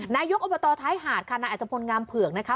นายุคอบตท้ายหาดคณะแอร์ทธพลงามเผือกนะคะ